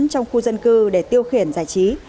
trong khu dân cư để tiêu khiển giải trí